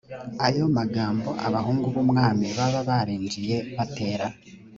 ayo magambo abahungu b umwami baba barinjiye batera